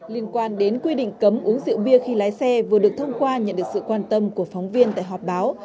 liên quan đến quy định cấm uống rượu bia khi lái xe vừa được thông qua nhận được sự quan tâm của phóng viên tại họp báo